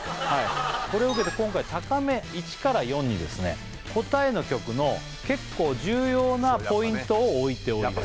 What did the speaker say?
これを受けて今回高め１から４にですね答えの曲の結構重要なポイントを置いております